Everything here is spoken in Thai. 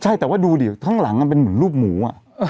ใช่แต่ว่าดูดิข้างหลังมันเป็นเหมือนรูปหมู